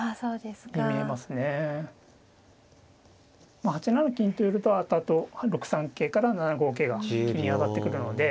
まあ８七金と寄ると後々６三桂から７五桂が金に当たってくるので。